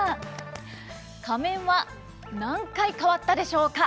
仮面は何回変わったでしょうか？